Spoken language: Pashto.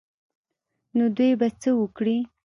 نو دوى به څه وکړي.